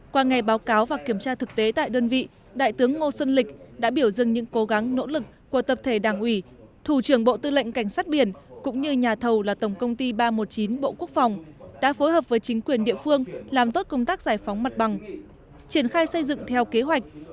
qua ngày báo cáo và kiểm tra thực tế tại đơn vị đại tướng ngô xuân lịch đã biểu dương những cố gắng nỗ lực của tập thể đảng ủy thủ trưởng bộ tư lệnh cảnh sát biển cũng như nhà thầu là tổng công ty ba trăm một mươi chín bộ quốc phòng đã phối hợp với chính quyền địa phương làm tốt công tác giải phóng mặt bằng triển khai xây dựng theo kế hoạch